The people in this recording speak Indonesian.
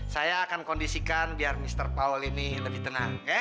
saya akan kondisikan biar mr powell ini lebih tenang